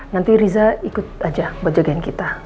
nanti riza ikut aja buat jagain kita